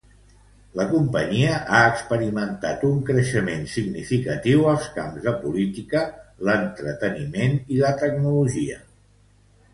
La companyia ha experimentat un creixement significatiu als camps de política, l'entreteniment i la tecnologia.